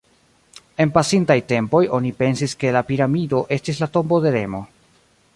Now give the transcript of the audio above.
En pasintaj tempoj oni pensis ke la piramido estis la tombo de Remo.